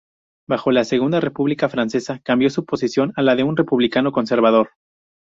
Bajo la Segunda República Francesa cambió su posición a la de un republicano conservador.